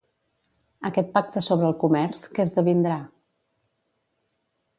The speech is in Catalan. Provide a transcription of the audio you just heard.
Aquest pacte sobre el comerç, què esdevindrà?